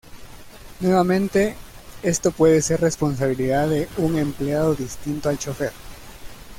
Nuevamente, esto puede ser responsabilidad de un empleado distinto al chofer.